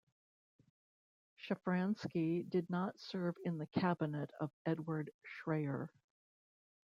Shafransky did not serve in the cabinet of Edward Schreyer.